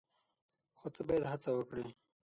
خو ته باید هڅه وکړې !